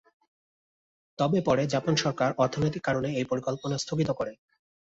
তবে পরে জাপান সরকার অর্থনৈতিক কারণে এই পরিকল্পনা স্থগিত করে।